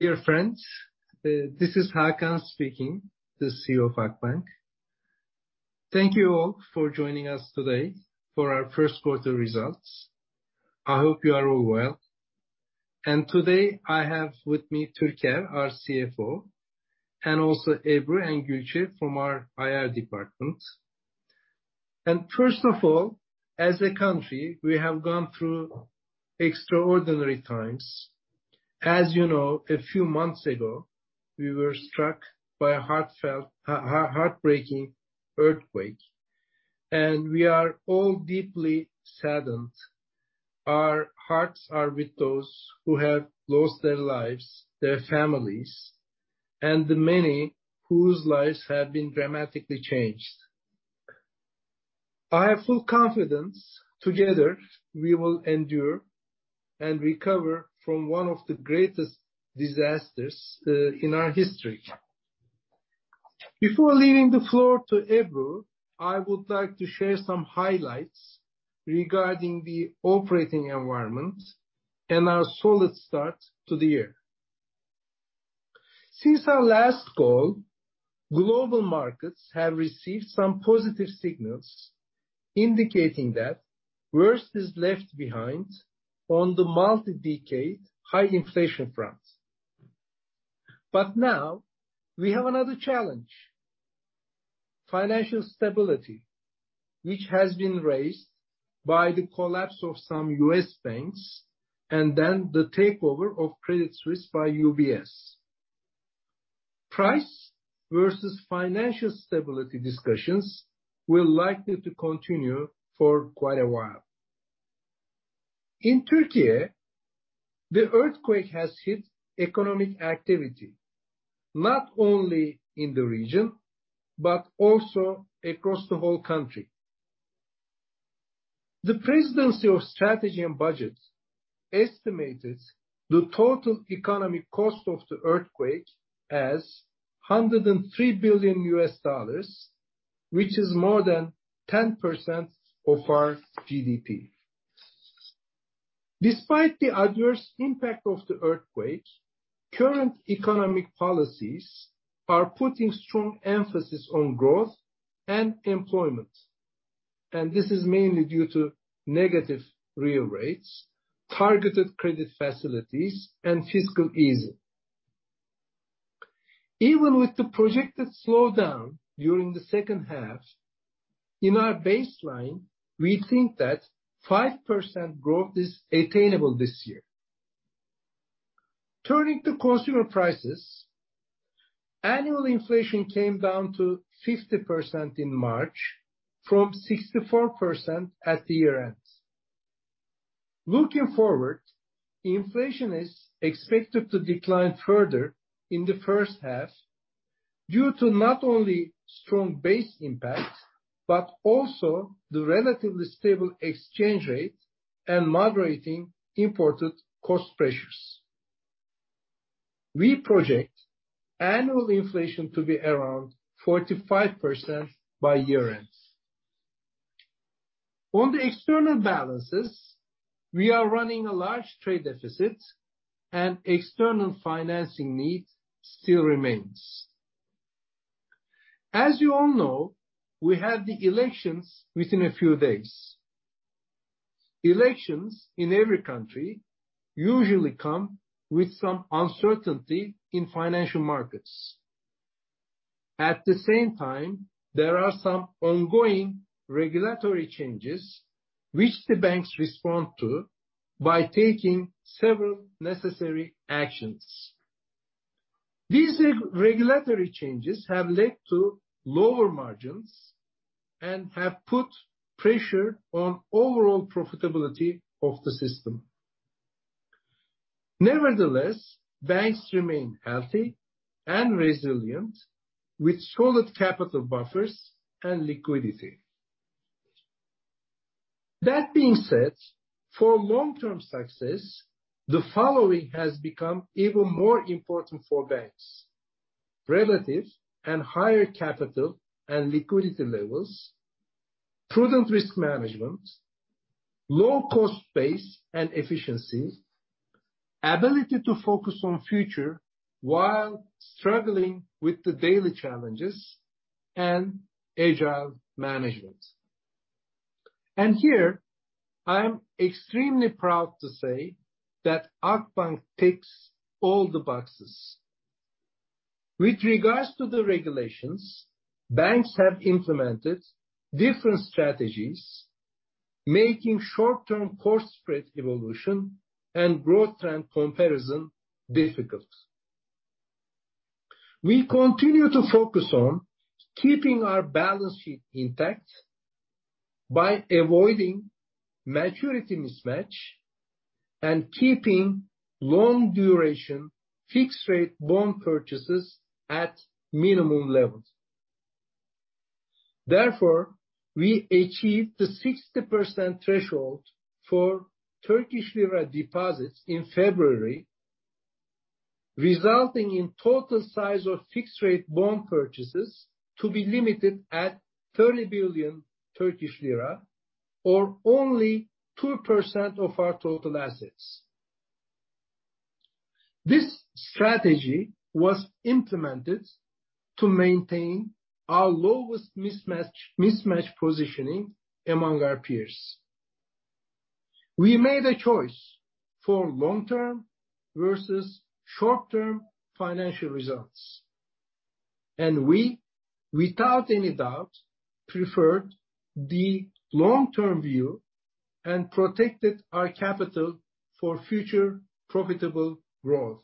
Dear friends, this is Hakan speaking, the CEO of Akbank. Thank you all for joining us today for our first quarter results. I hope you are all well. Today I have with me Turker, our CFO, and also Ebru and Gülçe from our IR department. First of all, as a country, we have gone through extraordinary times. As you know, a few months ago, we were struck by a heartfelt, heartbreaking earthquake, and we are all deeply saddened. Our hearts are with those who have lost their lives, their families, and the many whose lives have been dramatically changed. I have full confidence together we will endure and recover from one of the greatest disasters in our history. Before leaving the floor to Ebru, I would like to share some highlights regarding the operating environment and our solid start to the year. Since our last call, global markets have received some positive signals, indicating that worse is left behind on the multi-decade high inflation fronts. Now we have another challenge, financial stability, which has been raised by the collapse of some U.S. banks, and then the takeover of Credit Suisse by UBS. Price versus financial stability discussions will likely to continue for quite a while. In Turkey, the earthquake has hit economic activity, not only in the region, but also across the whole country. The Presidency of Strategy and Budget estimated the total economic cost of the earthquake as $103 billion, which is more than 10% of our GDP. Despite the adverse impact of the earthquake, current economic policies are putting strong emphasis on growth and employment. This is mainly due to negative real rates, targeted credit facilities, and fiscal easing. Even with the projected slowdown during the second half, in our baseline, we think that 5% growth is attainable this year. Turning to consumer prices, annual inflation came down to 50% in March from 64% at the year-end. Looking forward, inflation is expected to decline further in the first half due to not only strong base impact, but also the relatively stable exchange rate and moderating imported cost pressures. We project annual inflation to be around 45% by year-end. On the external balances, we are running a large trade deficit and external financing needs still remains. As you all know, we have the elections within a few days. Elections in every country usually come with some uncertainty in financial markets. At the same time, there are some ongoing regulatory changes which the banks respond to by taking several necessary actions. These re-regulatory changes have led to lower margins and have put pressure on overall profitability of the system. Nevertheless, banks remain healthy and resilient with solid capital buffers and liquidity. That being said, for long-term success, the following has become even more important for banks. Relative and higher capital and liquidity levels, prudent risk management, low cost base and efficiency, ability to focus on future while struggling with the daily challenges, and agile management. Here, I am extremely proud to say that Akbank ticks all the boxes. With regards to the regulations, banks have implemented different strategies, making short-term course spread evolution and growth trend comparison difficult. We continue to focus on keeping our balance sheet intact by avoiding maturity mismatch and keeping long duration fixed rate bond purchases at minimum levels. We achieved the 60% threshold for Turkish lira deposits in February, resulting in total size of fixed rate bond purchases to be limited at 30 billion Turkish lira, only 2% of our total assets. This strategy was implemented to maintain our lowest mismatch positioning among our peers. We made a choice for long-term versus short-term financial results. We, without any doubt, preferred the long-term view and protected our capital for future profitable growth.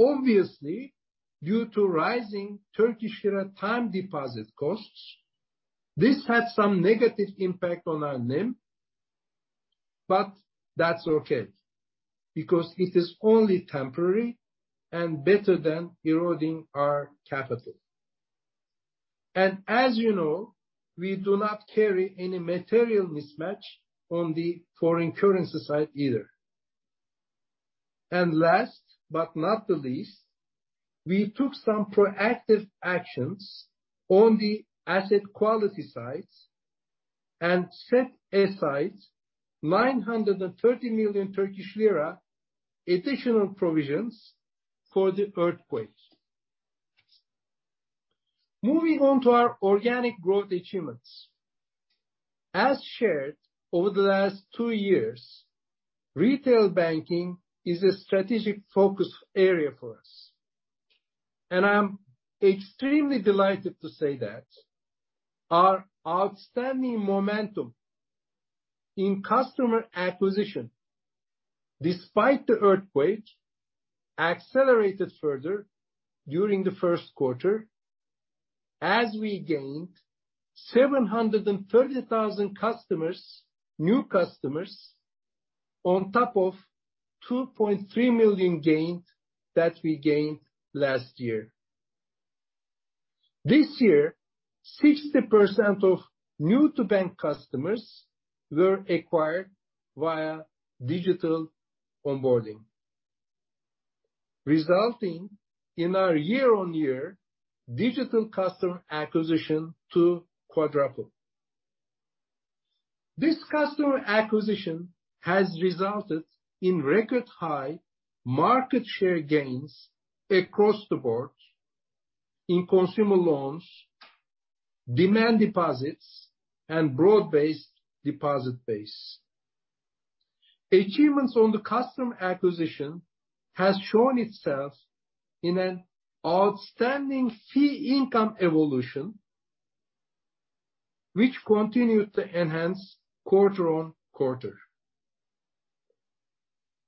Obviously, due to rising Turkish lira time deposit costs, this had some negative impact on our NIM. That's okay, because it is only temporary and better than eroding our capital. As you know, we do not carry any material mismatch on the foreign currency side either. Last but not the least, we took some proactive actions on the asset quality sides and set aside 930 million Turkish lira additional provisions for the earthquake. Moving on to our organic growth achievements. As shared over the last two years, retail banking is a strategic focus area for us. I'm extremely delighted to say that our outstanding momentum in customer acquisition, despite the earthquake, accelerated further during the first quarter as we gained 730,000 customers, new customers, on top of 2.3 million gained that we gained last year. This year, 60% of new to bank customers were acquired via digital onboarding, resulting in our year-on-year digital customer acquisition to quadruple. This customer acquisition has resulted in record high market share gains across the board in consumer loans, demand deposits, and broad-based deposit base. Achievements on the customer acquisition has shown itself in an outstanding fee income evolution which continued to enhance quarter on quarter.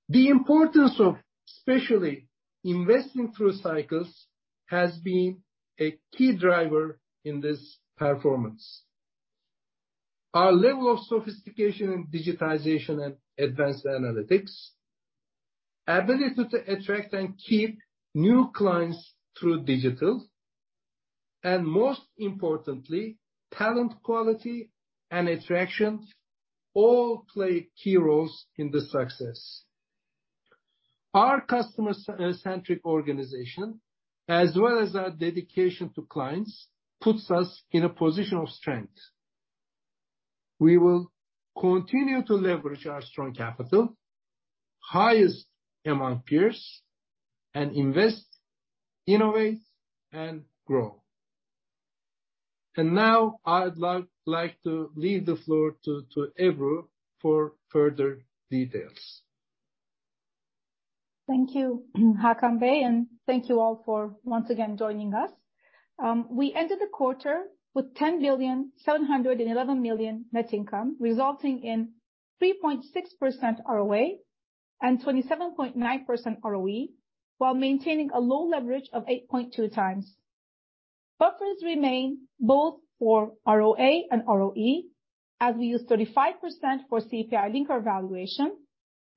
The importance of especially investing through cycles has been a key driver in this performance. Our level of sophistication in digitization and advanced analytics, ability to attract and keep new clients through digital, and most importantly, talent, quality, and attraction, all play key roles in this success. Our customer-centric organization, as well as our dedication to clients, puts us in a position of strength. We will continue to leverage our strong capital, highest among peers, and invest, innovate, and grow. Now I'd like to leave the floor to Ebru for further details. Thank you, Hakan Bey, and thank you all for once again joining us. We ended the quarter with 10 billion 711 million net income, resulting in 3.6% ROA and 27.9% ROE, while maintaining a low leverage of 8.2x. Buffers remain both for ROA and ROE, as we use 35% for CPI linker valuation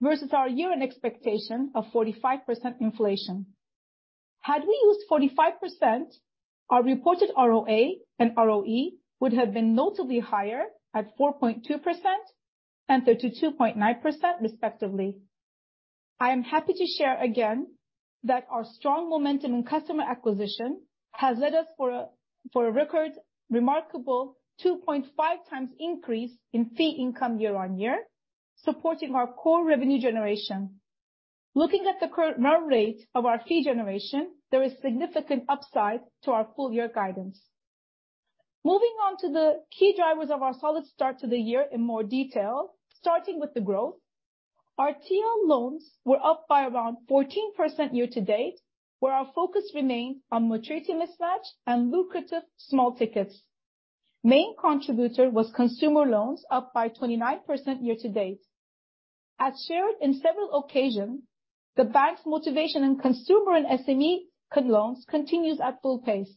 versus our year-end expectation of 45% inflation. Had we used 45%, our reported ROA and ROE would have been notably higher at 4.2% and 32.9% respectively. I am happy to share again that our strong momentum in customer acquisition has led us for a record remarkable 2.5x increase in fee income year-on-year, supporting our core revenue generation. Looking at the run rate of our fee generation, there is significant upside to our full year guidance. Moving on to the key drivers of our solid start to the year in more detail, starting with the growth. Our TL loans were up by around 14% year to date, where our focus remained on maturity mismatch and lucrative small tickets. Main contributor was consumer loans, up by 29% year to date. As shared in several occasions, the bank's motivation in consumer and SME loans continues at full pace.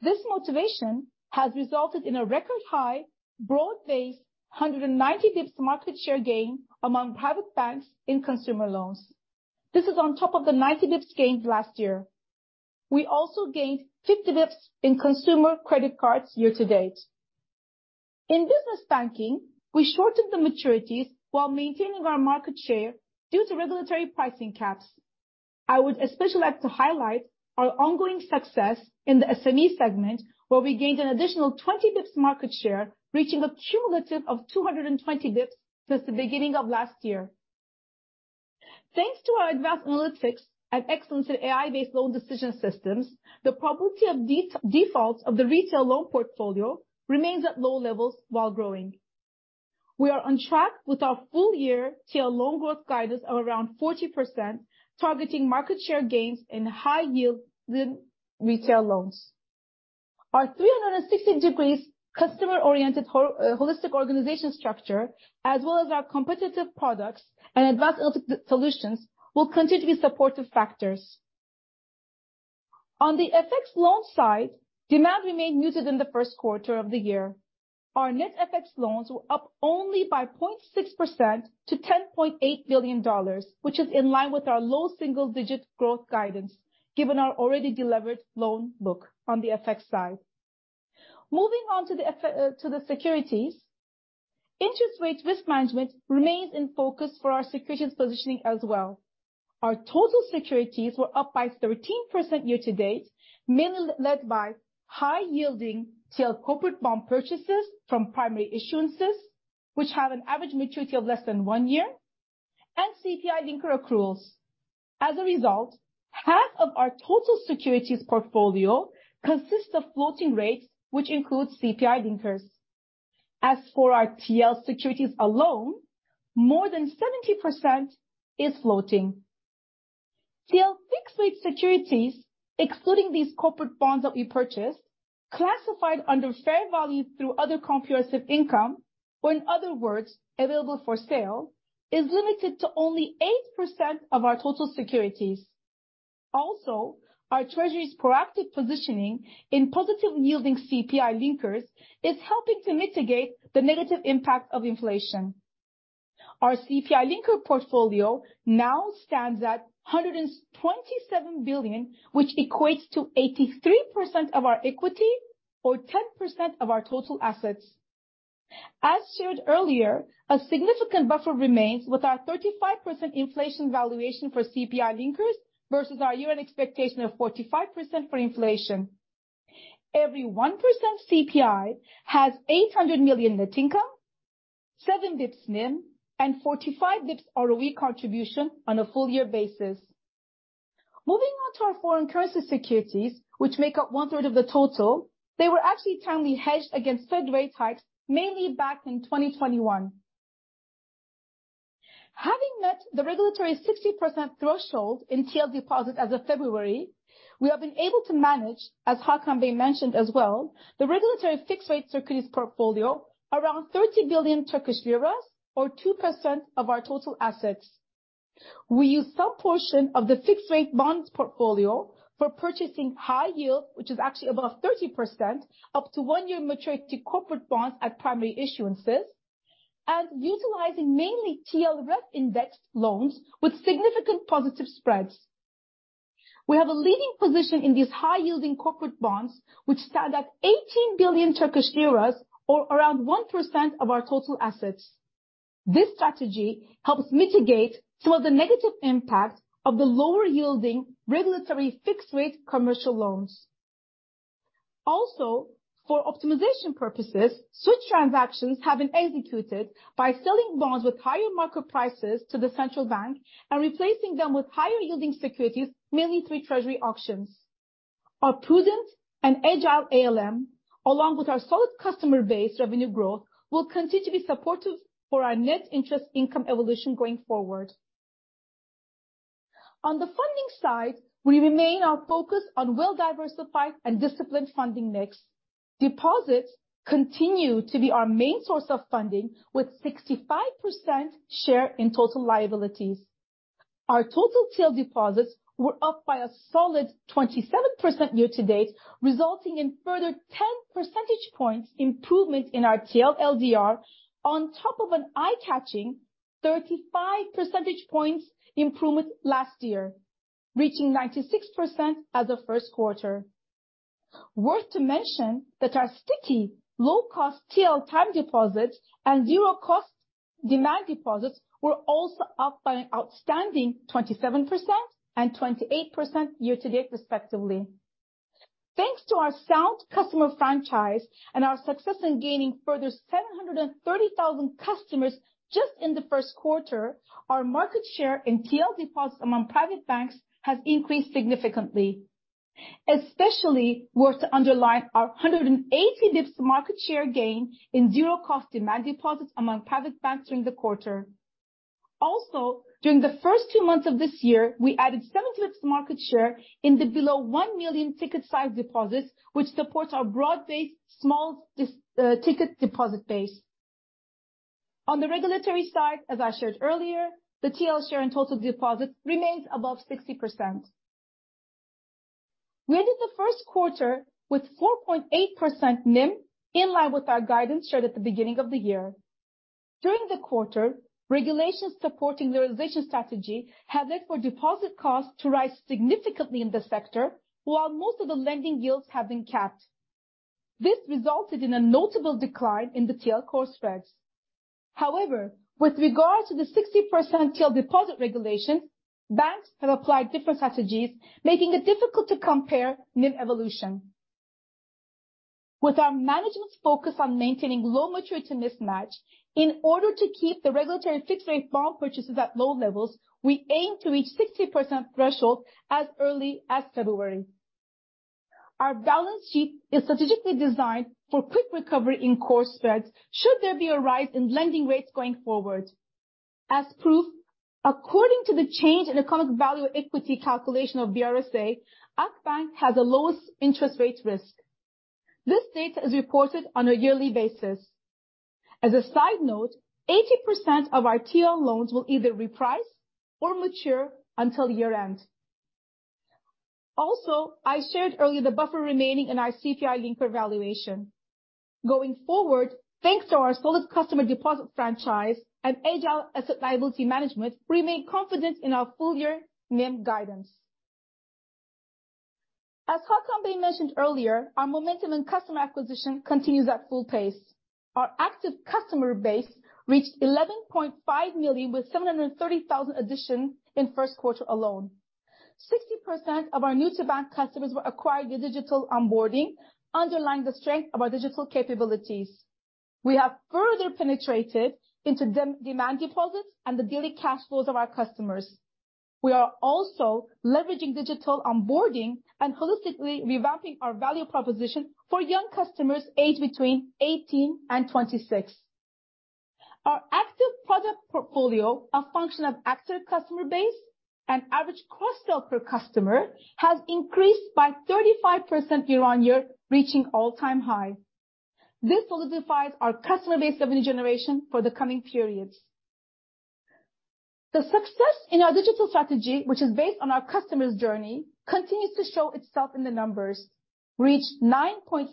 This motivation has resulted in a record high broad-based 190 basis points market share gain among private banks in consumer loans. This is on top of the 90 basis points gained last year. We also gained 50 basis points in consumer credit cards year to date. In business banking, we shortened the maturities while maintaining our market share due to regulatory pricing caps. I would especially like to highlight our ongoing success in the SME segment, where we gained an additional 20 basis points market share, reaching a cumulative of 220 basis points since the beginning of last year. Thanks to our advanced analytics and excellence in AI-based loan decision systems, the probability of default of the retail loan portfolio remains at low levels while growing. We are on track with our full year TL loan growth guidance of around 40%, targeting market share gains in high yield retail loans. Our 360 degrees customer-oriented holistic organization structure, as well as our competitive products and advanced solutions, will continue to be supportive factors. On the FX loan side, demand remained muted in the first quarter of the year. Our net FX loans were up only by 0.6% to $10.8 billion, which is in line with our low single-digit growth guidance, given our already delivered loan book on the FX side. Moving on to the securities. Interest rate risk management remains in focus for our securities positioning as well. Our total securities were up by 13% year to date, mainly led by high yielding TL corporate bond purchases from primary issuances, which have an average maturity of less than one year, and CPI linker accruals. Half of our total securities portfolio consists of floating rates, which includes CPI linkers. Our TL securities alone, more than 70% is floating. TL fixed rate securities, excluding these corporate bonds that we purchased, classified under fair value through other comprehensive income, or in other words, available for sale, is limited to only 8% of our total securities. Our treasury's proactive positioning in positive yielding CPI linkers is helping to mitigate the negative impact of inflation. Our CPI linker portfolio now stands at 127 billion, which equates to 83% of our equity or 10% of our total assets. As shared earlier, a significant buffer remains with our 35% inflation valuation for CPI linkers versus our year-end expectation of 45% for inflation. Every 1% CPI has 800 million net income, 7 basis points NIM, and 45 basis points ROE contribution on a full year basis. Moving on to our foreign currency securities, which make up 1/3 of the total, they were actually timely hedged against Fed rate hikes, mainly back in 2021. Having met the regulatory 60% threshold in TL deposits as of February, we have been able to manage, as Hakan Bey mentioned as well, the regulatory fixed rate securities portfolio around 30 billion Turkish lira or 2% of our total assets. We use some portion of the fixed rate bonds portfolio for purchasing high yield, which is actually above 30%, up to one-year maturity corporate bonds at primary issuances, and utilizing mainly TLREF-indexed loans with significant positive spreads. We have a leading position in these high-yielding corporate bonds, which stand at TRY 18 billion or around 1% of our total assets. This strategy helps mitigate some of the negative impact of the lower yielding regulatory fixed rate commercial loans. Also, for optimization purposes, switch transactions have been executed by selling bonds with higher market prices to the central bank and replacing them with higher yielding securities, mainly through treasury auctions. Our prudent and agile ALM, along with our solid customer base revenue growth, will continue to be supportive for our net interest income evolution going forward. On the funding side, we remain our focus on well-diversified and disciplined funding mix. Deposits continue to be our main source of funding with 65% share in total liabilities. Our total TL deposits were up by a solid 27% year to date, resulting in further 10 percentage points improvement in our TL LDR on top of an eye-catching 35 percentage points improvement last year, reaching 96% as of first quarter. Worth to mention that our sticky low-cost TL time deposits and zero cost demand deposits were also up by an outstanding 27% and 28% year-to-date respectively. Thanks to our sound customer franchise and our success in gaining further 730,000 customers just in the first quarter, our market share in TL deposits among private banks has increased significantly. Especially worth to underline our 180 basis points market share gain in zero cost demand deposits among private banks during the quarter. During the first two months of this year, we added 70 basis points market share in the below 1 million ticket size deposits, which supports our broad-based small ticket deposit base. On the regulatory side, as I shared earlier, the TL share in total deposits remains above 60%. We ended the first quarter with 4.8% NIM in line with our guidance shared at the beginning of the year. During the quarter, regulations supporting the liraization strategy have led for deposit costs to rise significantly in the sector, while most of the lending yields have been capped. This resulted in a notable decline in the TL core spreads. With regards to the 60% TL deposit regulation, banks have applied different strategies, making it difficult to compare NIM evolution. With our management's focus on maintaining low maturity mismatch, in order to keep the regulatory fixed-rate bond purchases at low levels, we aim to reach 60% threshold as early as February. Our balance sheet is strategically designed for quick recovery in core spreads should there be a rise in lending rates going forward. As proof, according to the change in economic value equity calculation of BRSA, Akbank has the lowest interest rate risk. This data is reported on a yearly basis. As a side note, 80% of our TL loans will either reprice or mature until year-end. I shared earlier the buffer remaining in our CPI linker valuation. Going forward, thanks to our solid customer deposit franchise and agile asset liability management, we remain confident in our full year NIM guidance. As Hakan Bey mentioned earlier, our momentum in customer acquisition continues at full pace. Our active customer base reached 11.5 million with 730,000 additions in first quarter alone. 60% of our new-to-bank customers were acquired with digital onboarding, underlying the strength of our digital capabilities. We have further penetrated into demand deposits and the daily cash flows of our customers. We are also leveraging digital onboarding and holistically revamping our value proposition for young customers aged between 18 and 26. Our active product portfolio, a function of active customer base and average cross-sell per customer, has increased by 35% year-over-year, reaching all-time high. This solidifies our customer base revenue generation for the coming periods. The success in our digital strategy, which is based on our customer's journey, continues to show itself in the numbers. Reached 9.5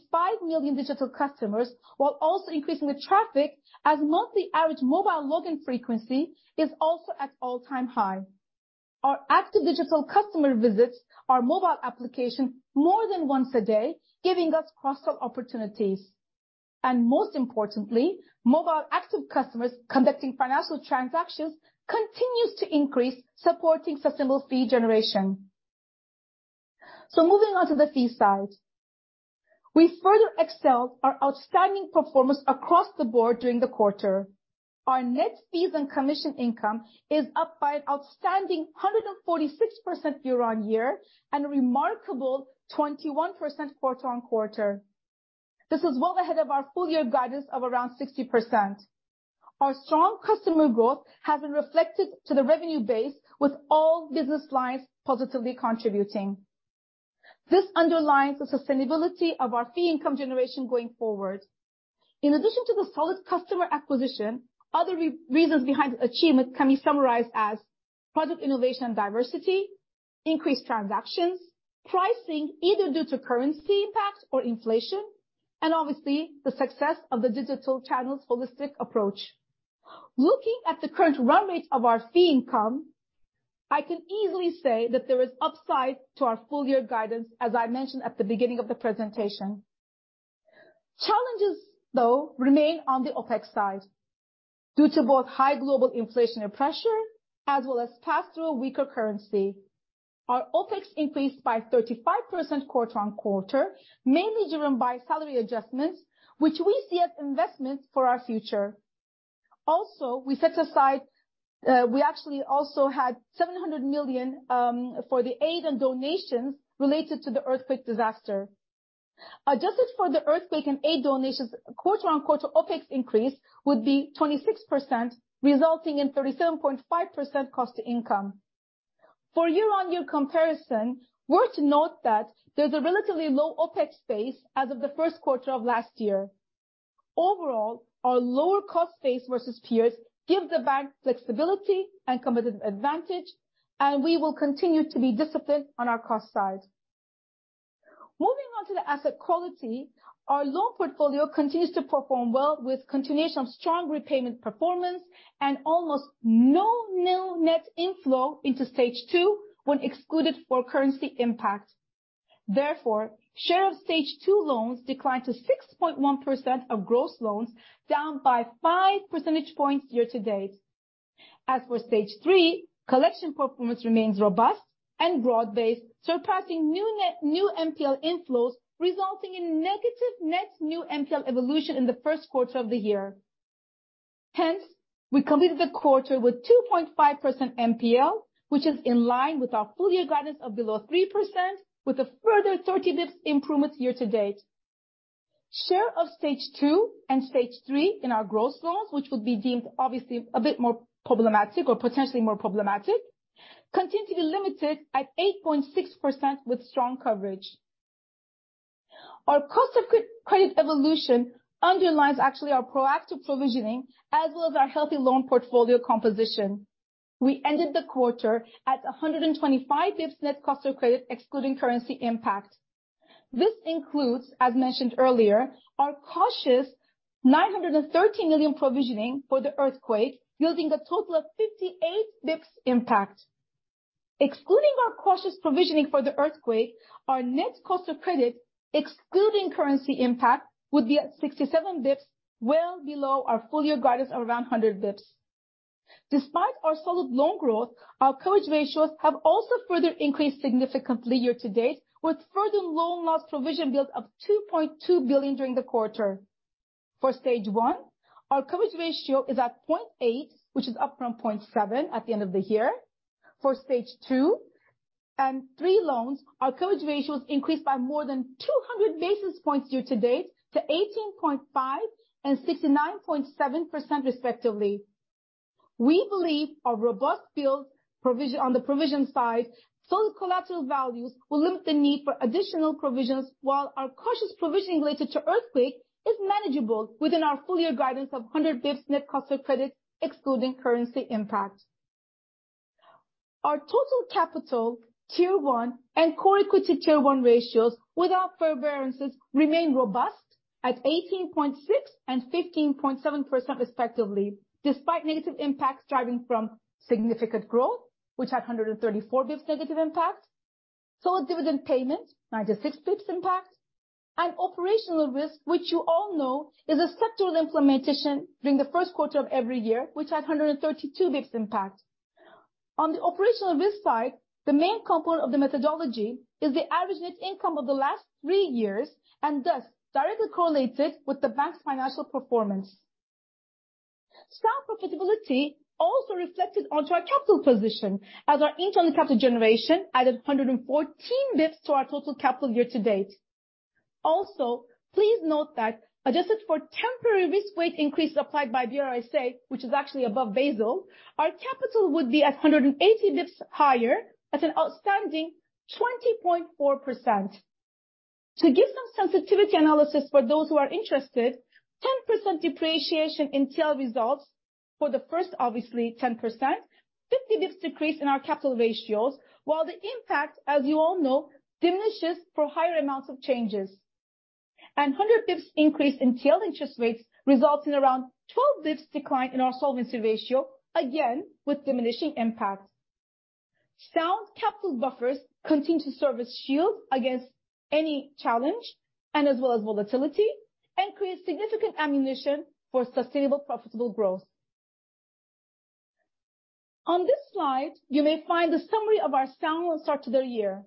million digital customers, while also increasing the traffic as monthly average mobile login frequency is also at all-time high. Our active digital customer visits our mobile application more than once a day, giving us cross-sell opportunities. Most importantly, mobile active customers conducting financial transactions continues to increase, supporting sustainable fee generation. Moving on to the fee side. We further excelled our outstanding performance across the board during the quarter. Our net fees and commission income is up by an outstanding 146% year-on-year and a remarkable 21% quarter-on-quarter. This is well ahead of our full year guidance of around 60%. Our strong customer growth has been reflected to the revenue base, with all business lines positively contributing. This underlines the sustainability of our fee income generation going forward. In addition to the solid customer acquisition, other reasons behind the achievement can be summarized as product innovation and diversity, increased transactions, pricing, either due to currency impacts or inflation, and obviously the success of the digital channel's holistic approach. Looking at the current run rate of our fee income, I can easily say that there is upside to our full year guidance, as I mentioned at the beginning of the presentation. Challenges, though, remain on the OpEx side. Due to both high global inflationary pressure as well as pass-through weaker currency, our OpEx increased by 35% quarter-on-quarter, mainly driven by salary adjustments, which we see as investments for our future. We actually also had 700 million for the aid and donations related to the earthquake disaster. Adjusted for the earthquake and aid donations, quarter-on-quarter OpEx increase would be 26%, resulting in 37.5% cost to income. For year-on-year comparison, worth to note that there's a relatively low OpEx base as of the first quarter of last year. Overall, our lower cost base versus peers give the bank flexibility and competitive advantage. We will continue to be disciplined on our cost side. Moving on to the asset quality. Our loan portfolio continues to perform well with continuation of strong repayment performance and almost no new net inflow into Stage 2 when excluded for currency impact. Share of Stage 2 loans declined to 6.1% of gross loans, down by 5 percentage points year-to-date. As for Stage 3, collection performance remains robust and broad-based, surpassing new NPL inflows, resulting in negative net new NPL evolution in the first quarter of the year. We completed the quarter with 2.5% NPL, which is in line with our full year guidance of below 3% with a further 30 basis points improvements year-to-date. Share of Stage 2 and Stage 3 in our gross loans, which would be deemed obviously a bit more problematic or potentially more problematic, continue to be limited at 8.6% with strong coverage. Our cost of credit evolution underlines actually our proactive provisioning as well as our healthy loan portfolio composition. We ended the quarter at 125 basis points net cost of credit excluding currency impact. This includes, as mentioned earlier, our cautious 930 million provisioning for the earthquake, yielding a total of 58 basis points impact. Excluding our cautious provisioning for the earthquake, our net cost of credit, excluding currency impact, would be at 67 basis points, well below our full year guidance of around 100 basis points. Despite our solid loan growth, our coverage ratios have also further increased significantly year-to-date, with further loan loss provision build of 2.2 billion during the quarter. For Stage 1, our coverage ratio is at 0.8, which is up from 0.7 at the end of the year. For Stage 2 and Stage 3 loans, our coverage ratios increased by more than 200 basis points year to date to 18.5% and 69.7% respectively. We believe our robust build provision on the provision side, solid collateral values will limit the need for additional provisions, while our cautious provisioning related to earthquake is manageable within our full year guidance of 100 basis points net cost of credit excluding currency impact. Our total capital Tier 1 and Common Equity Tier 1 ratios without forbearances remain robust at 18.6% and 15.7% respectively, despite negative impacts driving from significant growth which had 134 basis points negative impact. Solid dividend payment, 96 basis points impact and operational risk, which you all know is a sectoral implementation during the first quarter of every year, which had 132 basis points impact. On the operational risk side, the main component of the methodology is the average net income of the last 3 years, thus directly correlates it with the bank's financial performance. Sound profitability also reflected onto our capital position as our internal capital generation added 114 bps to our total capital year to date. Also, please note that adjusted for temporary risk weight increase applied by BRSA, which is actually above Basel, our capital would be at 180 bps higher at an outstanding 20.4%. To give some sensitivity analysis for those who are interested, 10% depreciation in TL results for the first obviously 10%, 50 bps decrease in our capital ratios. While the impact, as you all know, diminishes for higher amounts of changes. 100 basis points increase in TL interest rates result in around 12 basis points decline in our solvency ratio, again with diminishing impact. Sound capital buffers continue to serve as shield against any challenge and as well as volatility, and create significant ammunition for sustainable profitable growth. On this slide you may find the summary of our sound start to the year.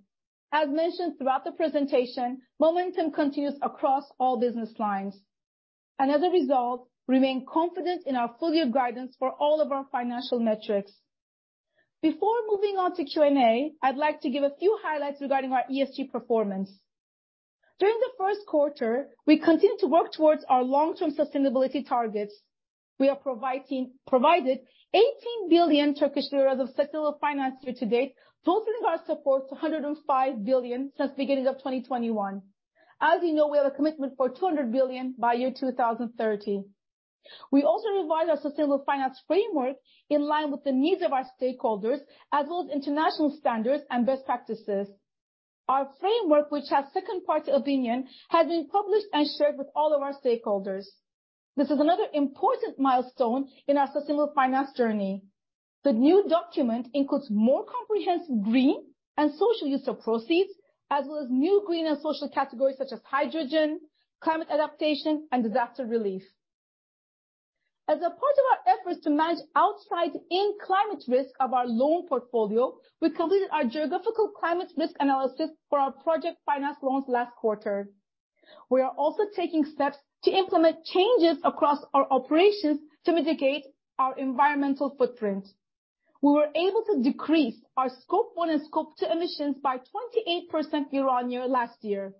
As mentioned throughout the presentation, momentum continues across all business lines and as a result remain confident in our full year guidance for all of our financial metrics. Before moving on to Q&A, I'd like to give a few highlights regarding our ESG performance. During the first quarter, we provided 18 billion Turkish lira of sustainable finance year to date, totaling our support to 105 billion since beginning of 2021. As you know, we have a commitment for 200 billion by 2030. We also revised our sustainable finance framework in line with the needs of our stakeholders as well as international standards and best practices. Our framework, which has Second-Party Opinion, has been published and shared with all of our stakeholders. This is another important milestone in our sustainable finance journey. The new document includes more comprehensive green and social use of proceeds, as well as new green and social categories such as hydrogen, climate adaptation and disaster relief. As a part of our efforts to manage outside-in climate risk of our loan portfolio, we completed our geographical climate risk analysis for our project finance loans last quarter. We are also taking steps to implement changes across our operations to mitigate our environmental footprint. We were able to decrease our Scope 1 and Scope 2 emissions by 28% year-on-year last year.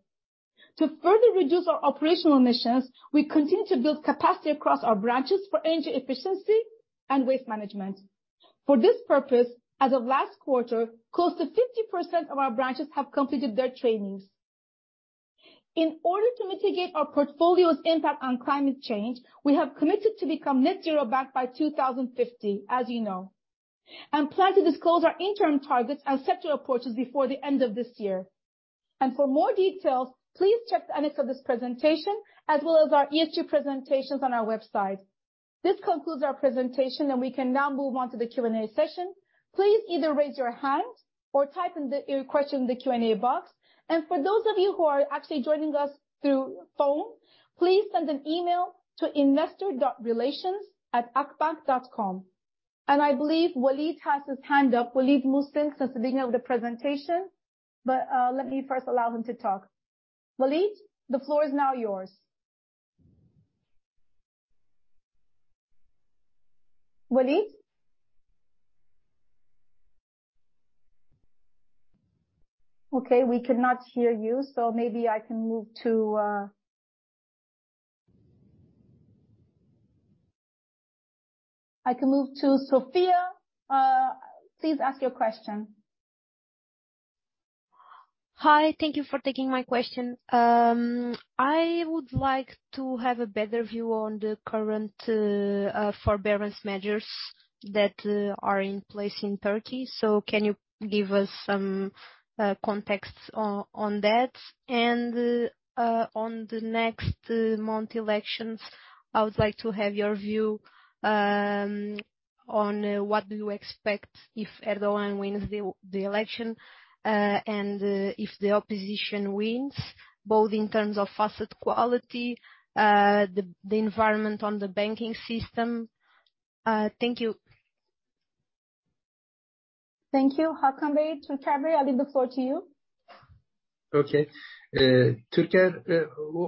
To further reduce our operational emissions, we continue to build capacity across our branches for energy efficiency and waste management. For this purpose, as of last quarter, close to 50% of our branches have completed their trainings. In order to mitigate our portfolio's impact on climate change, we have committed to become net zero bank by 2050, as you know. Plan to disclose our interim targets and sectoral approaches before the end of this year. For more details, please check the annex of this presentation as well as our ESG presentations on our website. This concludes our presentation and we can now move on to the Q&A session. Please either raise your hand or type in your question in the Q&A box. For those of you who are actually joining us through phone, please send an email to investor.relations@akbank.com. I believe Walid has his hand up. Walid Musallam since the beginning of the presentation. Let me first allow him to talk. Walid, the floor is now yours. Walid? Okay, we cannot hear you, so maybe I can move to Sophia. Please ask your question. Hi, thank you for taking my question. I would like to have a better view on the current forbearance measures that are in place in Turkey. Can you give us some context on that? On the next month elections, I would like to have your view on what do you expect if Erdogan wins the election and if the opposition wins, both in terms of asset quality, the environment on the banking system? Thank you. Thank you. Hakan Bey, Turker Bey, I leave the floor to you. Okay, Turker,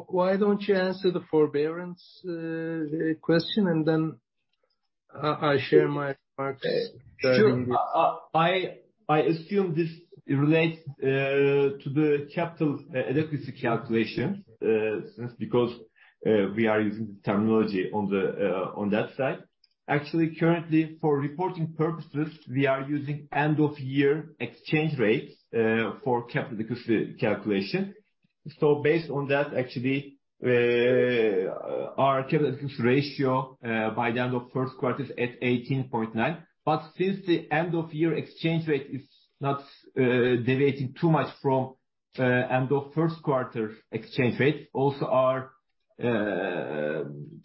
why don't you answer the forbearance question, and then I share my thoughts. Sure. I assume this relates to the capital adequacy calculation since because we are using the terminology on the on that side. Actually, currently, for reporting purposes, we are using end of year exchange rates for capital adequacy calculation. Based on that, actually, our capital ratio by the end of first quarter is at 18.9%. Since the end of year exchange rate is not deviating too much from end of first quarter exchange rate, also our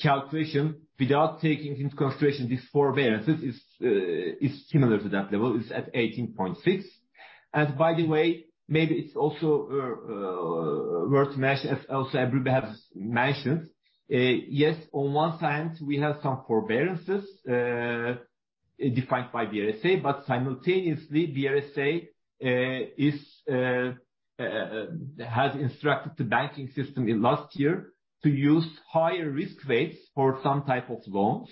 calculation without taking into consideration these forbearances is similar to that level, is at 18.6%. By the way, maybe it's also worth mentioning, as also Ebru has mentioned, yes, on one side we have some for bearances defined by BRSA, simultaneously, BRSA is has instructed the banking system in last year to use higher risk rates for some type of loans.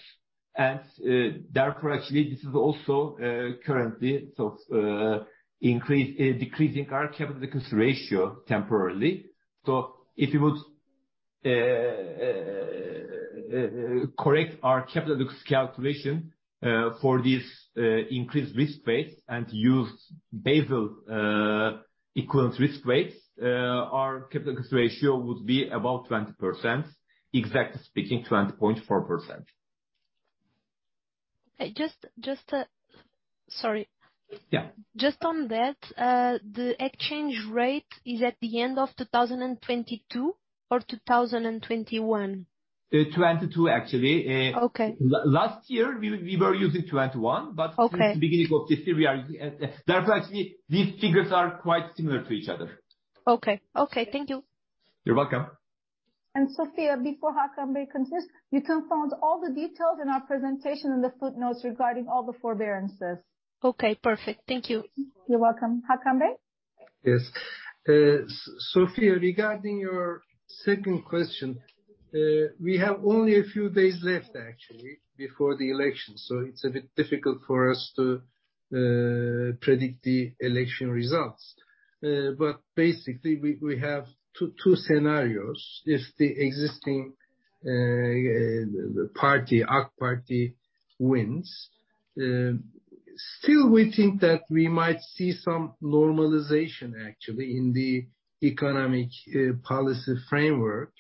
Therefore, actually this is also currently, sort of, decreasing our capital ratio temporarily. If you would correct our capital calculation for this increased risk rate and use Basel equivalent risk rates, our capital ratio would be about 20%. Exactly speaking, 20.4%. Just. Sorry. Just on that, the exchange rate is at the end of 2022 or 2021? 2022 actually. Okay. Last year we were using 21 since the beginning of this year we are at. Therefore, actually these figures are quite similar to each other. Okay. Okay. Thank you. You're welcome. Sophia, before Hakan Bey continues, you can find all the details in our presentation in the footnotes regarding all the forbearances. Okay, perfect. Thank you. You're welcome. Hakan Bey? Yes. Sophia, regarding your second question, we have only a few days left actually, before the election, so it's a bit difficult for us to predict the election results. Basically we have two scenarios. If the existing party, AK Party wins, still we think that we might see some normalization actually in the economic policy framework.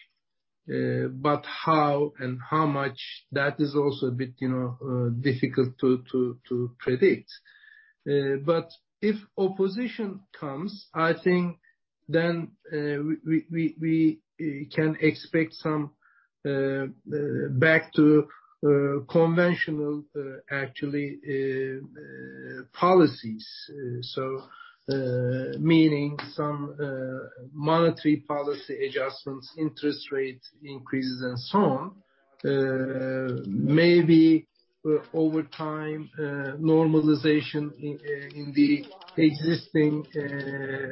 How and how much, that is also a bit, you know, difficult to predict. If opposition comes, I think then, we can expect some back to conventional actually policies. Meaning some monetary policy adjustments, interest rate increases and so on. Maybe over time, normalization in the existing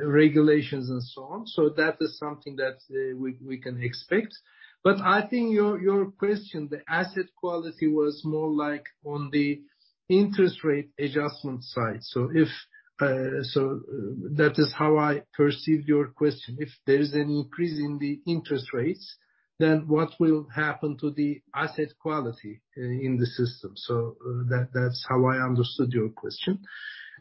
regulations and so on. That is something that we can expect. I think your question, the asset quality was more like on the interest rate adjustment side. That is how I perceive your question. If there is an increase in the interest rates, then what will happen to the asset quality in the system? That's how I understood your question.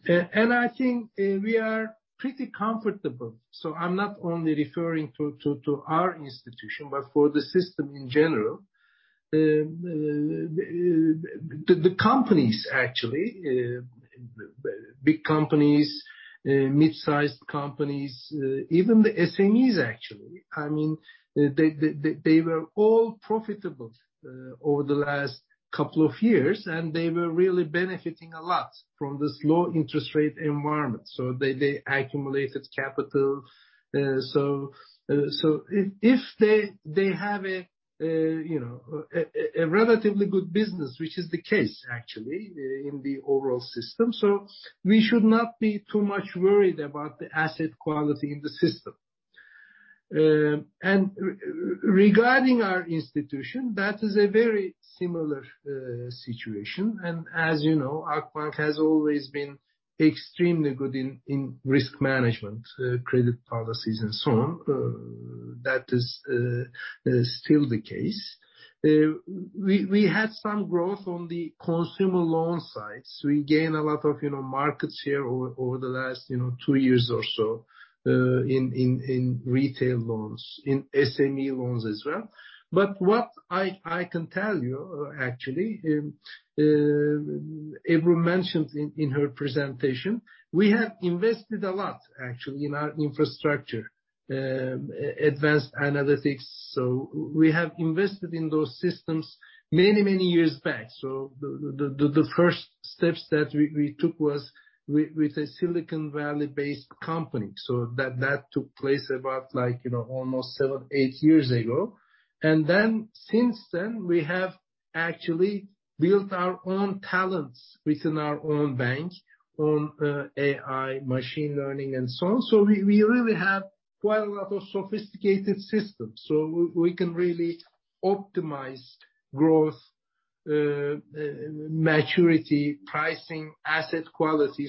I think we are pretty comfortable. I'm not only referring to our institution, but for the system in general. The companies actually, big companies, mid-sized companies, even the SMEs actually. I mean, they were all profitable over the last couple of years, and they were really benefiting a lot from this low interest rate environment. They accumulated capital. If they have a, you know, a relatively good business, which is the case actually in the overall system, we should not be too much worried about the asset quality in the system. Regarding our institution, that is a very similar situation. As you know, Akbank has always been extremely good in risk management, credit policies and so on. That is still the case. We had some growth on the consumer loan side. We gained a lot of, you know, markets here over the last, you know, two years or so, in retail loans, in SME loans as well. What I can tell you, actually, Ebru mentioned in her presentation, we have invested a lot actually in our infrastructure. Advanced analytics. We have invested in those systems many, many years back. The first steps that we took was with a Silicon Valley-based company. That took place about like, you know, almost seven, eight years ago. Since then we have actually built our own talents within our own bank on AI machine learning and so on. We really have quite a lot of sophisticated systems, so we can really optimize growth, maturity, pricing, asset quality.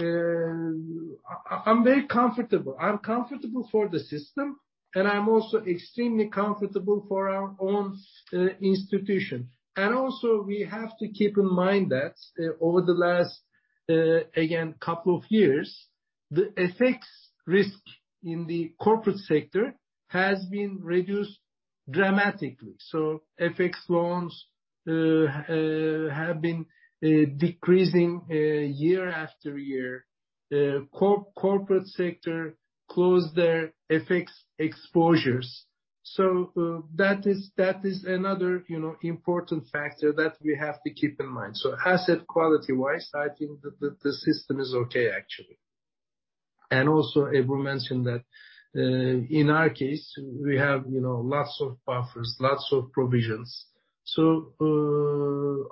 I'm very comfortable. I'm comfortable for the system, and I'm also extremely comfortable for our own institution. Also we have to keep in mind that over the last, again, couple of years, the FX risk in the corporate sector has been reduced dramatically. FX loans have been decreasing year after year. The corporate sector closed their FX exposures. That is another, you know, important factor that we have to keep in mind. Asset quality-wise, I think the system is okay, actually. Also Ebru mentioned that, in our case, we have, you know, lots of buffers, lots of provisions.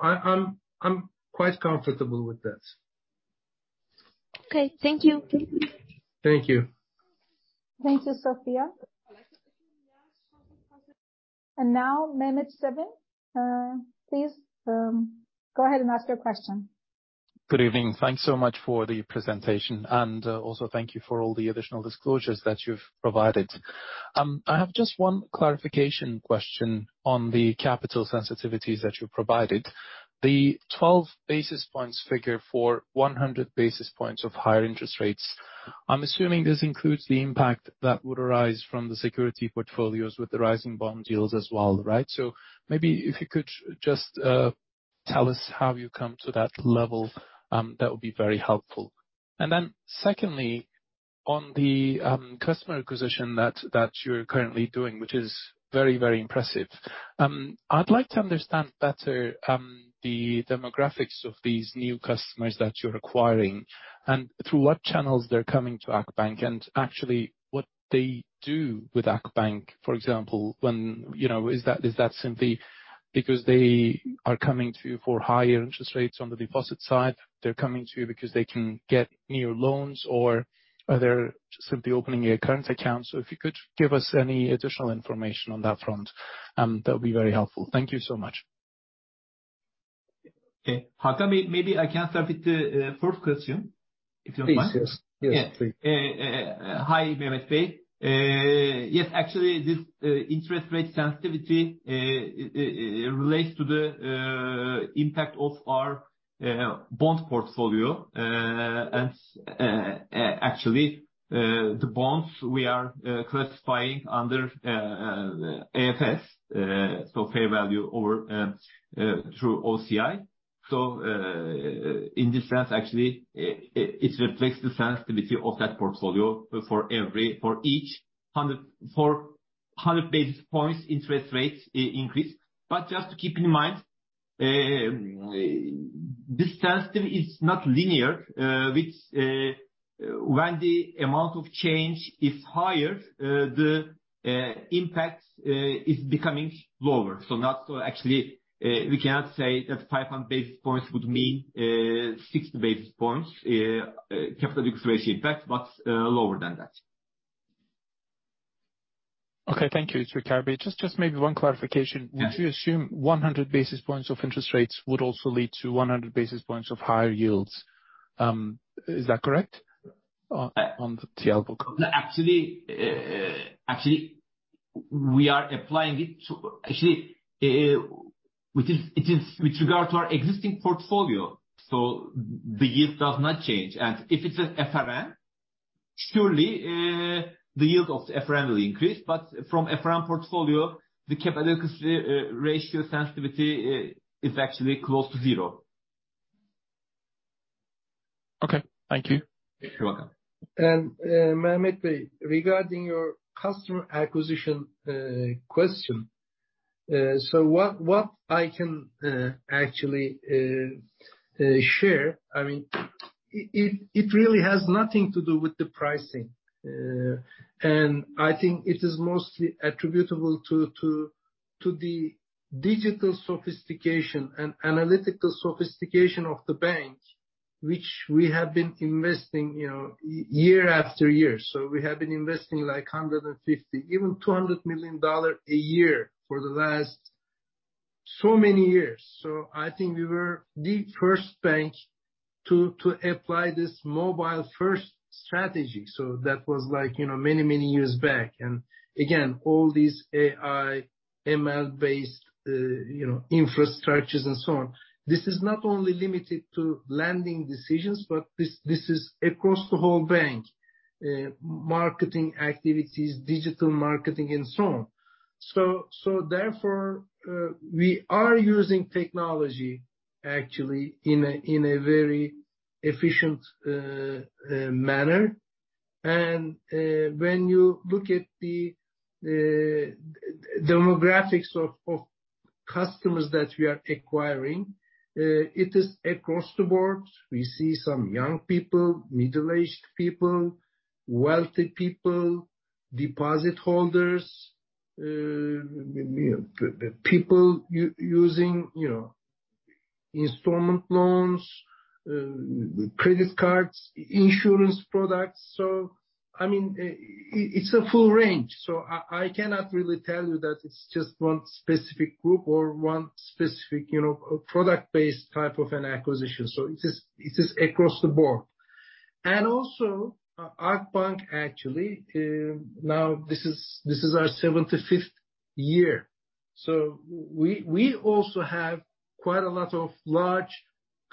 I'm quite comfortable with that. Okay. Thank you. Thank you. Thank you, Sophia. Now Mehmet Sevinç. Please, go ahead and ask your question. Good evening. Thanks so much for the presentation. Also thank you for all the additional disclosures that you've provided. I have just one clarification question on the capital sensitivities that you provided. The 12 basis points figure for 100 basis points of higher interest rates, I'm assuming this includes the impact that would arise from the security portfolios with the rising bond yields as well, right? Maybe if you could just tell us how you come to that level, that would be very helpful. Secondly, on the customer acquisition that you're currently doing, which is very, very impressive, I'd like to understand better the demographics of these new customers that you're acquiring and through what channels they're coming to Akbank and actually what they do with Akbank. For example, when, you know, is that simply because they are coming to you for higher interest rates on the deposit side? They're coming to you because they can get new loans or are they simply opening a current account? If you could give us any additional information on that front, that would be very helpful. Thank you so much. Okay. Hakan, maybe I can start with the first question, if you don't mind? Please, yes. Yes, please. Yes. Hi, Mehmet Sevinç. Yes, actually, this interest rate sensitivity, it relates to the impact of our bond portfolio. Actually, the bonds we are classifying under AFS, so fair value over through OCI. In this sense, actually it reflects the sensitivity of that portfolio for each 100 basis points interest rates increase. Just to keep in mind, this sensitivity is not linear, which when the amount of change is higher, the impact is becoming lower. Actually, we cannot say that 500 basis points would mean 60 basis points capital ratio impact, but lower than that. Okay. Thank you, Mr. Turker Bey. Just maybe one clarification. Would you assume 100 basis points of interest rates would also lead to 100 basis points of higher yields? Is that correct on the TL book? Actually, which is, it is with regard to our existing portfolio. The yield does not change. If it's an FRN, surely, the yield of FRN will increase. From FRN portfolio, the capital ratio sensitivity is actually close to zero. Okay. Thank you. You're welcome. Mehmet Sevin, regarding your customer acquisition question. What I can actually share, I mean, it really has nothing to do with the pricing. I think it is mostly attributable to the digital sophistication and analytical sophistication of the bank, which we have been investing, you know, year after year. We have been investing like $150 million, even $200 million a year for the last so many years. I think we were the first bank to apply this mobile first strategy. That was like, you know, many, many years back. Again, all these AI, ML-based, you know, infrastructures and so on, this is not only limited to lending decisions, but this is across the whole bank, marketing activities, digital marketing and so on. We are using technology actually in a very efficient manner. When you look at the demographics of customers that we are acquiring, it is across the board. We see some young people, middle-aged people, wealthy people, deposit holders, you know, people using, you know, installment loans, credit cards, insurance products. It's a full range, so I cannot really tell you that it's just one specific group or one specific, you know, product-based type of an acquisition. It is across the board. Akbank actually, now this is our 75th year, so we also have quite a lot of large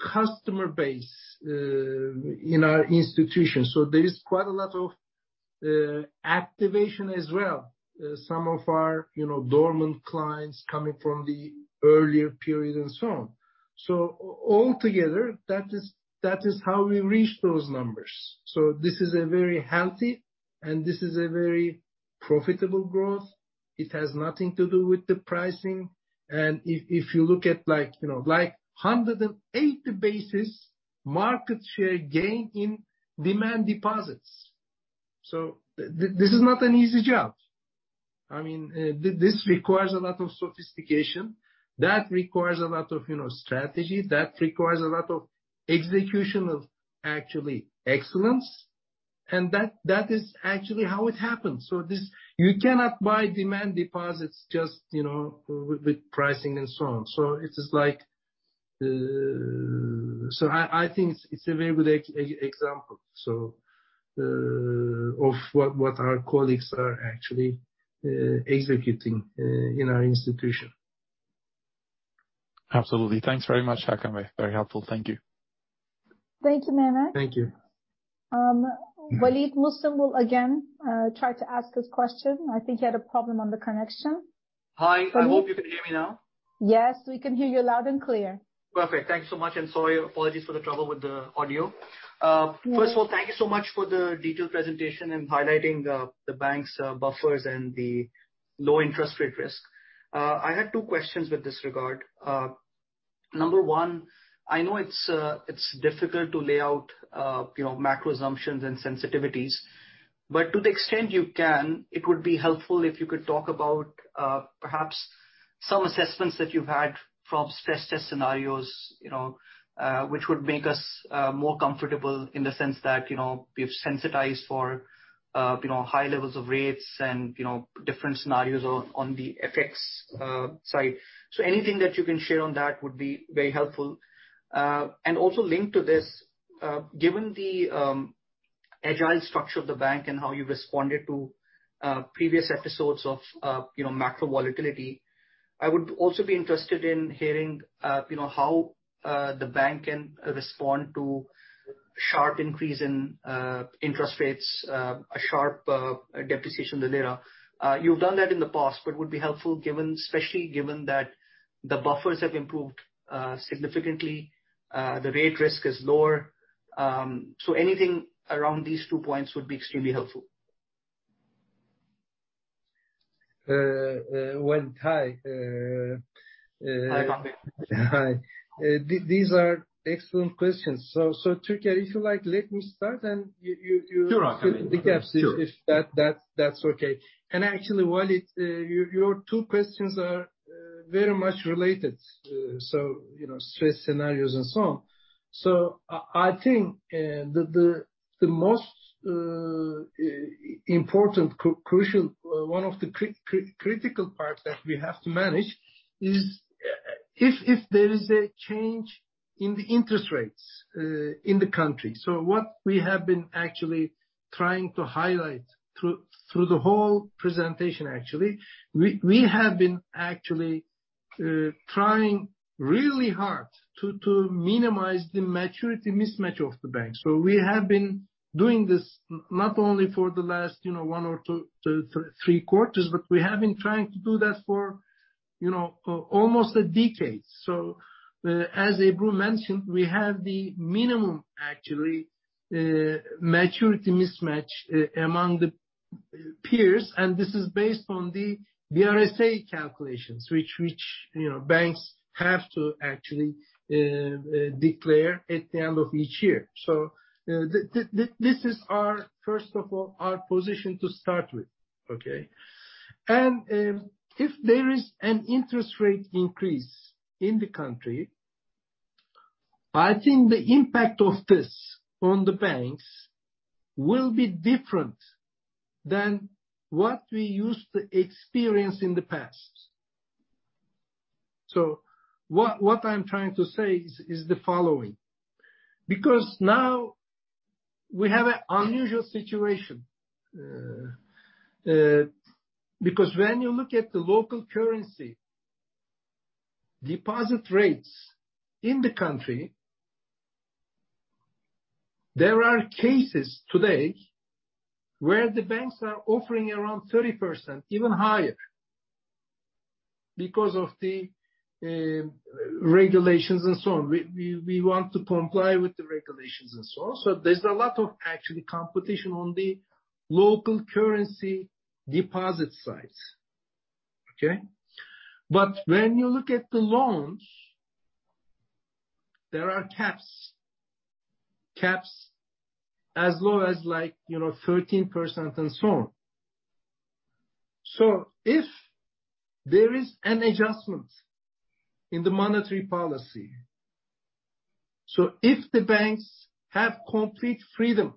customer base in our institution. There is quite a lot of activation as well. Some of our, you know, dormant clients coming from the earlier period and so on. Altogether, that is how we reach those numbers. This is a very healthy and this is a very profitable growth. It has nothing to do with the pricing. If you look at like, you know, like 180 basis market share gain in demand deposits. This is not an easy job. I mean, this requires a lot of sophistication. That requires a lot of, you know, strategy. That requires a lot of execution of actually excellence. That is actually how it happens. This. You cannot buy demand deposits just, you know, with pricing and so on. It is like. I think it's a very good example, so, of what our colleagues are actually executing in our institution. Absolutely. Thanks very much, Hakan Bey. Very helpful. Thank you. Thank you, Mehmet. Thank you. Walid Musallam will again try to ask his question. I think he had a problem on the connection. Hi. I hope you can hear me now. Yes, we can hear you loud and clear. Perfect. Thank you so much, and sorry, apologies for the trouble with the audio. First of all, thank you so much for the detailed presentation and highlighting the bank's buffers and the low interest rate risk. I had two questions with this regard. Number one, I know it's difficult to lay out, you know, macro assumptions and sensitivities, but to the extent you can, it would be helpful if you could talk about perhaps some assessments that you've had from stress test scenarios, you know, which would make us more comfortable in the sense that, you know, we've sensitized for, you know, high levels of rates and, you know, different scenarios on the FX side. Anything that you can share on that would be very helpful. Also linked to this, given the agile structure of the bank and how you've responded to previous episodes of, you know, macro volatility, I would also be interested in hearing, you know, how the bank can respond to sharp increase in interest rates, a sharp depreciation of the lira. You've done that in the past, but would be helpful given, especially given that the buffers have improved significantly, the rate risk is lower. Anything around these two points would be extremely helpful. Well, Hi. Hi, Hakan. Hi. These are excellent questions. Turker, if you like, let me start and you fill in the gaps if that's okay. Actually, Walid, your two questions are very much related, so, you know, stress scenarios and so on. I think, the most important, crucial, one of the critical parts that we have to manage is, if there is a change in the interest rates in the country. What we have been actually trying to highlight through the whole presentation actually, we have been actually trying really hard to minimize the maturity mismatch of the bank. We have been doing this not only for the last, you know, one or two to three quarters, but we have been trying to do that for, you know, almost a decade. As Ebru mentioned, we have the minimum actually, maturity mismatch among the peers, and this is based on the BRSA calculations, which, you know, banks have to actually declare at the end of each year. This is our, first of all, our position to start with. Okay? If there is an interest rate increase in the country, I think the impact of this on the banks will be different than what we used to experience in the past. What I'm trying to say is the following: because now we have an unusual situation. Because when you look at the local currency deposit rates in the country, there are cases today where the banks are offering around 30%, even higher. Because of the regulations and so on. We want to comply with the regulations and so on. There's a lot of actually competition on the local currency deposit side. Okay? When you look at the loans, there are caps. Caps as low as, like, you know, 13% and so on. If there is an adjustment in the monetary policy, so if the banks have complete freedom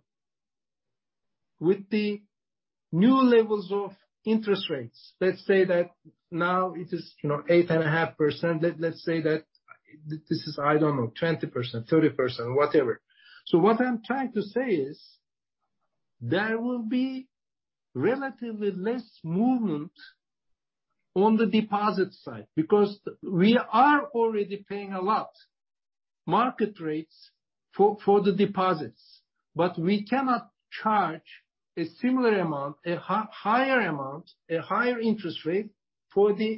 with the new levels of interest rates. Let's say that now it is, you know, 8.5%. Let's say that this is, I don't know, 20%, 30%, whatever. What I'm trying to say is there will be relatively less movement on the deposit side, because we are already paying a lot, market rates for the deposits. We cannot charge a similar amount, a higher amount, a higher interest rate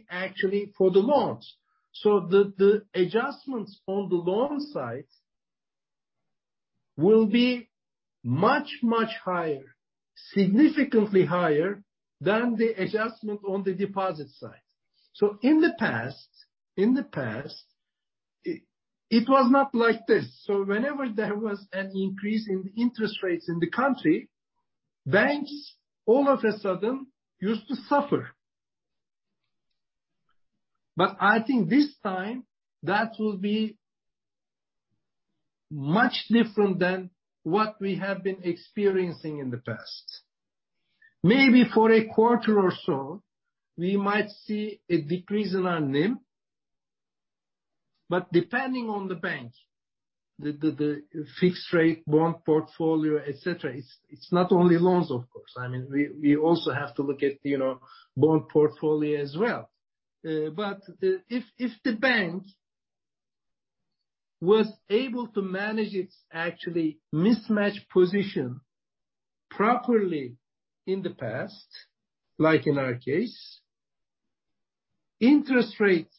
actually, for the loans. The adjustments on the loan side will be much higher, significantly higher than the adjustment on the deposit side. In the past, it was not like this. Whenever there was an increase in interest rates in the country, banks, all of a sudden, used to suffer. I think this time that will be much different than what we have been experiencing in the past. Maybe for a quarter or so, we might see a decrease in our NIM. Depending on the bank, the fixed rate bond portfolio, et cetera, it's not only loans of course. I mean, we also have to look at, you know, bond portfolio as well. If, if the bank was able to manage its actually mismatched position properly in the past, like in our case, interest rates,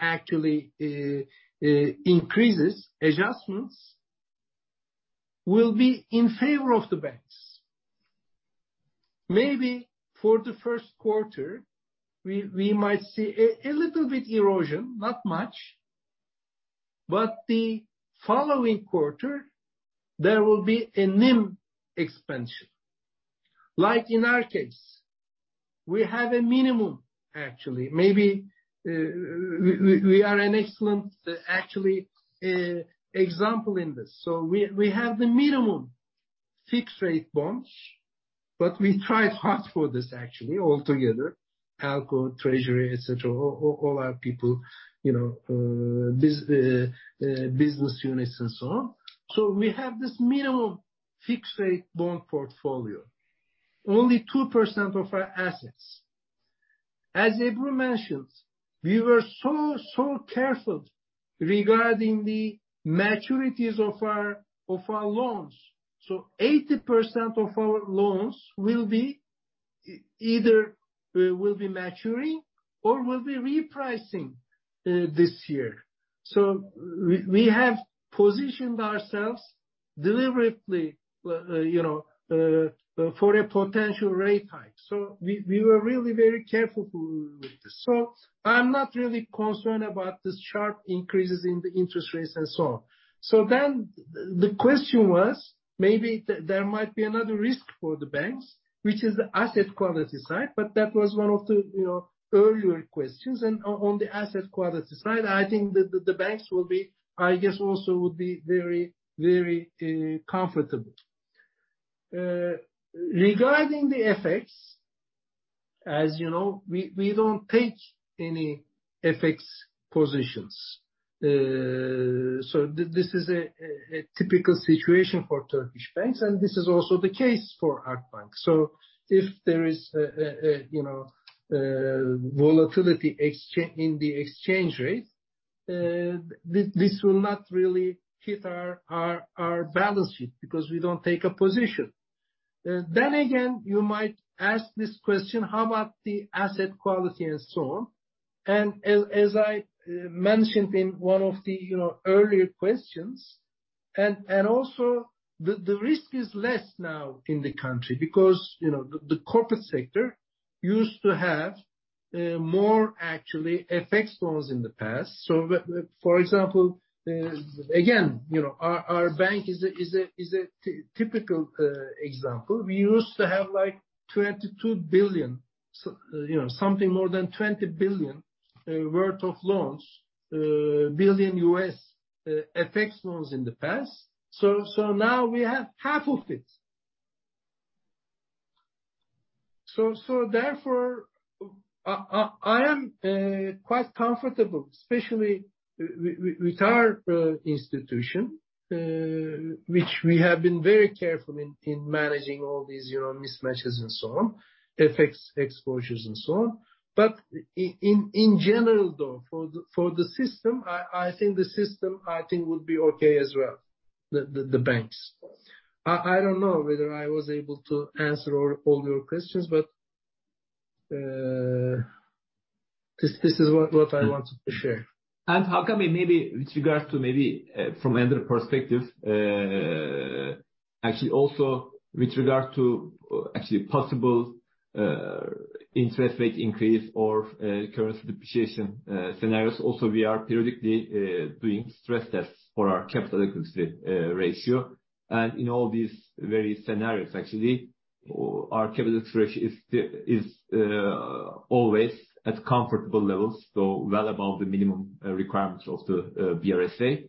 actually, increases, adjustments will be in favor of the banks. Maybe for the first quarter, we might see a little bit erosion, not much. The following quarter there will be a NIM expansion. Like in our case, we have a minimum, actually. Maybe, we, we are an excellent, actually, example in this. We, we have the minimum fixed rate bonds, but we tried hard for this actually altogether. ALCO, Treasury, et cetera, all our people, you know, business units and so on. We have this minimum fixed rate bond portfolio. Only 2% of our assets. As Ebru mentions, we were so careful regarding the maturities of our loans. 80% of our loans will be either maturing or will be repricing this year. We have positioned ourselves deliberately, you know, for a potential rate hike. We were really very careful with this. I'm not really concerned about the sharp increases in the interest rates and so on. The question was, maybe there might be another risk for the banks, which is the asset quality side, but that was one of the, you know, earlier questions. On the asset quality side, I think the banks will be, I guess, also would be very comfortable. Regarding the FX, as you know, we don't take any FX positions. This is a typical situation for Turkish banks, and this is also the case for Akbank. If there is a, you know, volatility in the exchange rate, this will not really hit our balance sheet because we don't take a position. Then again, you might ask this question, how about the asset quality and so on? As I mentioned in one of the, you know, earlier questions, and also the risk is less now in the country because, you know, the corporate sector used to have more actually FX loans in the past. For example, again, you know, our bank is a typical example. We used to have like $22 billion, you know, something more than $20 billion worth of loans, billion US, FX loans in the past. Now we have half of it. Therefore, I am quite comfortable, especially with our institution, which we have been very careful in managing all these, you know, mismatches and so on, FX exposures and so on. In general, though, for the system, I think the system would be okay as well, the banks. I don't know whether I was able to answer all your questions, but this is what I wanted to share. How come maybe with regards to maybe from another perspective, actually also with regard to actually possible interest rate increase or currency depreciation scenarios also we are periodically doing stress tests for our capital equity ratio. In all these various scenarios, actually, our capital equity ratio is always at comfortable levels, so well above the minimum requirements of the BRSA.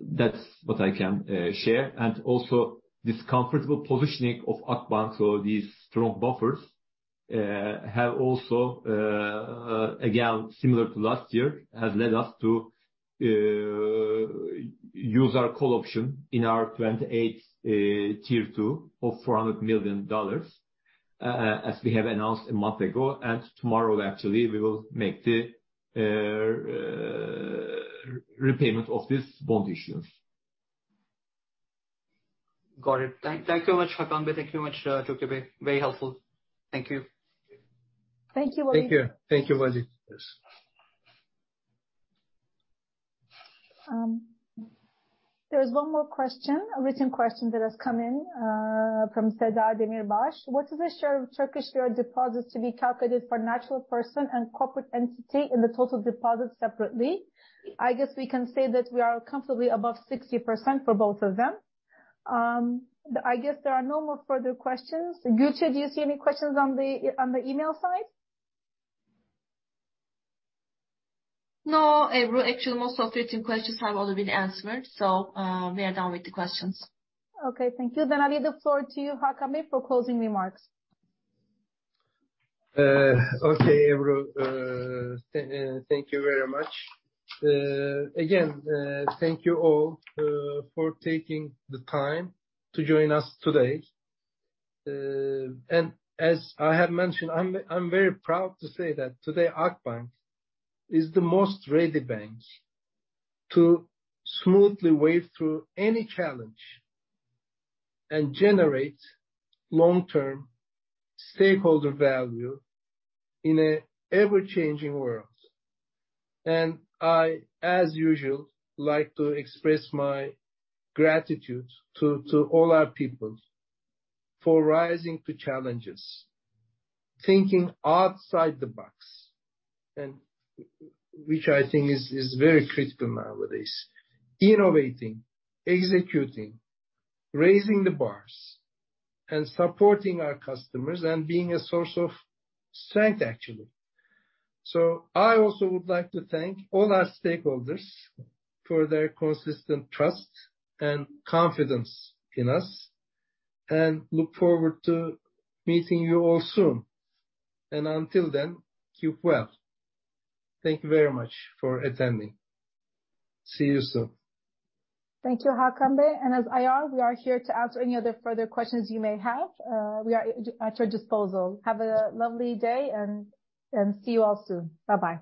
That's what I can share. Also this comfortable positioning of Akbank, so these strong buffers have also again, similar to last year, has led us to use our call option in our 2028 Tier 2 of $400 million as we have announced a month ago. Tomorrow actually we will make the repayment of this bond issues. Got it. Thank you so much, Hakan Bey. Thank you much, Turker Bey. Very helpful. Thank you. Thank you, Walid. Thank you. Thank you, Walid. Yes. There's one more question, a written question that has come in from Seda Demirbaş. What is the share of Turkish lira deposits to be calculated for natural person and corporate entity in the total deposits separately? I guess we can say that we are comfortably above 60% for both of them. I guess there are no more further questions. Gülçe, do you see any questions on the, on the email side? No, Ebru. Actually, most of the written questions have already been answered, so we are done with the questions. Okay, thank you. I leave the floor to you, Hakan Bey, for closing remarks. Okay, Ebru. Thank you very much. Again, thank you all for taking the time to join us today. As I have mentioned, I'm very proud to say that today Akbank is the most ready bank to smoothly wade through any challenge and generate long-term stakeholder value in a ever-changing world. I, as usual, like to express my gratitude to all our peoples for rising to challenges, thinking outside the box, and which I think is very critical nowadays. Innovating, executing, raising the bars, and supporting our customers, and being a source of strength, actually. I also would like to thank all our stakeholders for their consistent trust and confidence in us, and look forward to meeting you all soon. Until then, keep well. Thank you very much for attending. See you soon. Thank you, Hakan Bey. As IR, we are here to answer any other further questions you may have. We are at your disposal. Have a lovely day, and see you all soon. Bye-bye.